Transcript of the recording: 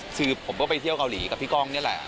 คือผมก็ไปเที่ยวเกาหลีกับพี่ก้องนี่แหละ